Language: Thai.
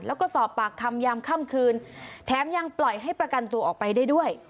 แล้วก็สอบปากคำยามค่ำคืนแถมยังปล่อยให้ประกันตัวออกไปได้ด้วย